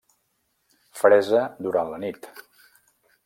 Fresa durant la nit.